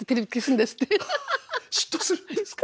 嫉妬するんですか？